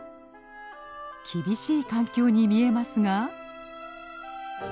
厳しい環境に見えますが。